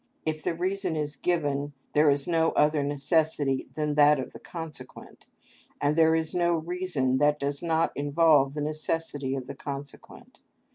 If the reason is given there is no other necessity than that of the consequent, and there is no reason that does not involve the necessity of the consequent.